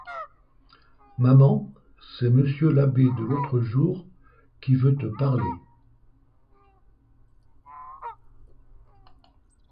Maman, c'est monsieur l'abbé de l'autre jour, qui veut te parler.